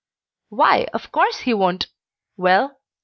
"Why, of course he won't. Well?"